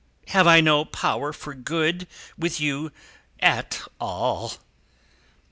Have I no power for good, with you, at all?"